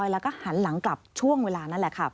แล้วก็หันหลังกลับช่วงเวลานั่นแหละค่ะ